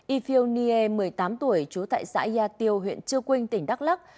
yfio nie một mươi tám tuổi trú tại xã yatio huyện chư quynh tỉnh đắk lắc